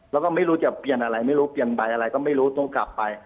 แล้วก็ไม่รู้จะเปลี่ยนอะไรไม่รู้เปลี่ยนใบอะไรก็ไม่รู้ต้องกลับไป